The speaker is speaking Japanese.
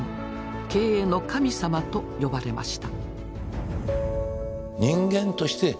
「経営の神様」と呼ばれました。